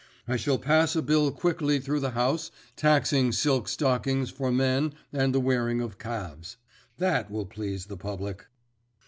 I shall pass a Bill quickly through the House taxing silk stockings for men and the wearing of calves. That will please the public.